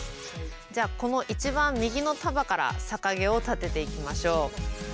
じゃあこの一番右の束から逆毛を立てていきましょう。